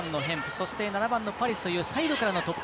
そして、７番のパリスというサイドからの突破。